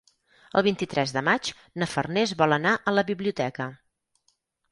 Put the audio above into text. El vint-i-tres de maig na Farners vol anar a la biblioteca.